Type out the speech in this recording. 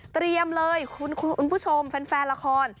เตรียมเลยคุณผู้ชมแฟนละคร